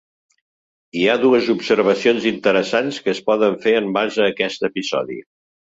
Hi ha dues observacions interessants que es poden fer en base a aquest episodi.